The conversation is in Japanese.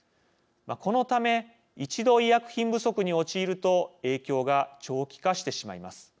このため一度医薬品不足に陥ると影響が長期化してしまいます。